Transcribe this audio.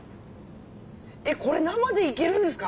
これ生でいけるんですか？